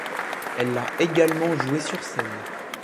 Elle l'a également jouée sur scène.